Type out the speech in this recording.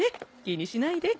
気にしないで。